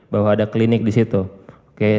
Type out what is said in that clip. bahwa ada klinik di situ oke